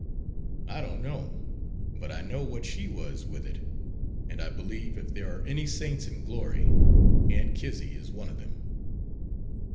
"I don't know. But I know what she was with it. And I believe if there are any saints in glory, Aunt Kizzy is one of them."